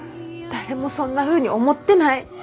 誰もそんなふうに思ってない。